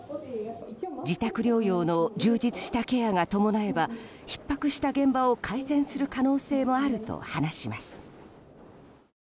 自宅療養の充実したケアが伴えばひっ迫した現場を改善する可能性もあると話します。